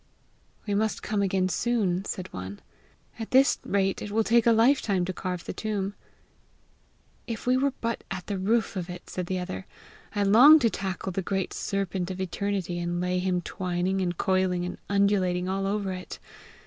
"We must come again soon!" said one. "At this rate it will take a life time to carve the tomb." "If we were but at the roof of it!" said the other. "I long to tackle the great serpent of eternity, and lay him twining and coiling and undulating all over it!